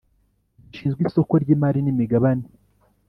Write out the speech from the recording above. Gishinzwe isoko ry imari n imigabane